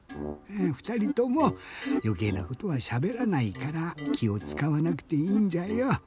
ふたりともよけいなことはしゃべらないからきをつかわなくていいんじゃよ。